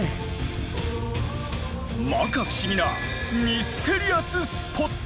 摩訶不思議なミステリアススポット。